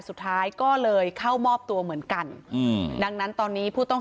สุดท้ายก็เลยเข้ามอบตัวเหมือนกันอืมดังนั้นตอนนี้ผู้ต้อง